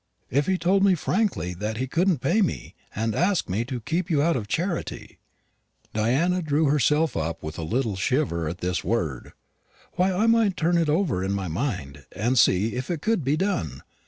If he told me frankly that he couldn't pay me, and asked me to keep you out of charity," Diana drew herself up with a little shiver at this word, "why, I might turn it over in my mind, and see if it could be done.